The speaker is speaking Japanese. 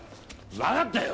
わかったよ。